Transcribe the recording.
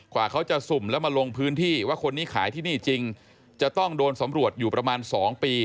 กว่าเขาจะสุ่มแล้วมาลงพื้นที่ว่าคนนี้ขายที่นี่จริงจะต้องโดนสำรวจอยู่ประมาณ๒ปี